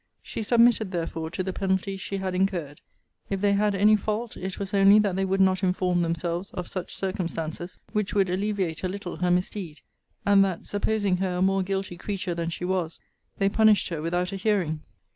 She submitted therefore to the penalty she had incurred. If they had any fault, it was only that they would not inform themselves of such circumstances, which would alleviate a little her misdeed; and that supposing her a more guilty creature than she was, they punished her without a hearing.